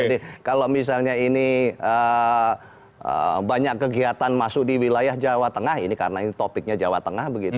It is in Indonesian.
jadi kalau misalnya ini banyak kegiatan masuk di wilayah jawa tengah ini karena ini topiknya jawa tengah begitu